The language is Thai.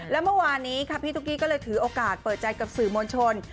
และเมื่อวานนี้ค่ะพี่ตุ๊กกี้ก็เลยถือโอกาสเปิดใจกับสื่อมวลชน